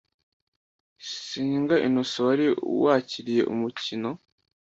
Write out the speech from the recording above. Seninga Innocent wari wakiriye umukino